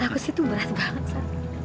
buat aku sih itu berat banget sar